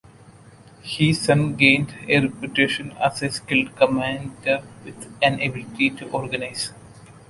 He soon gained a reputation as a skilled commander with an ability to organise.